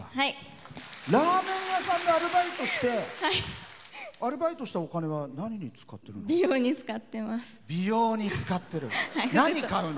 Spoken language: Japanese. ラーメン屋さんでアルバイトしてアルバイトしたお金は何に使ってるの？